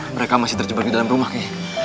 mereka masih terjebak di dalam rumah